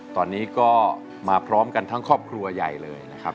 ตอนนี้ก็มาพร้อมกันทั้งครอบครัวใหญ่เลยนะครับ